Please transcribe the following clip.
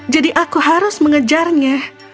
jadi aku harus mengejarnya